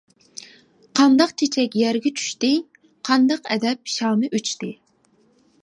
قانداق چېچەك يەرگە چۈشتى، قانداق ئەدەپ شامى ئۆچتى!